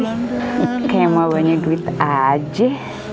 kayak mau banyak duit aja